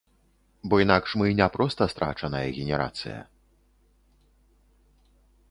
Бо інакш мы не проста страчаная генерацыя.